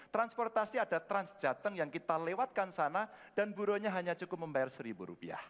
transportasi ada transjateng yang kita lewatkan sana dan buruhnya hanya cukup membayar rp satu